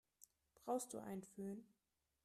Brauchst du einen Fön?